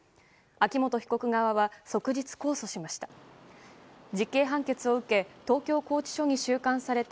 秋元被告側は即日控訴しました。